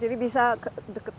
jadi bisa deket